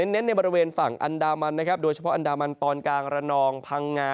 เน้นในบริเวณฝั่งอันดามันนะครับโดยเฉพาะอันดามันตอนกลางระนองพังงา